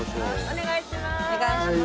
お願いします。